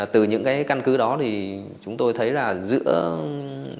từ những căn cứ đó thì chúng tôi thấy là giữa gia đình